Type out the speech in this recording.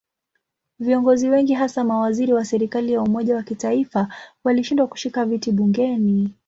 Viongozi wengi hasa mawaziri wa serikali ya umoja wa kitaifa walishindwa kushika viti bungeni.